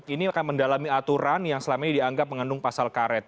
ini akan mendalami aturan yang selama ini dianggap mengandung pasal karet